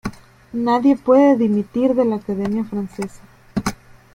Nadie puede dimitir de la Academia Francesa.